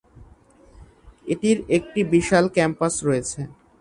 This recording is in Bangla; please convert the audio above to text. এটির একটি বিশাল ক্যাম্পাস রয়েছে।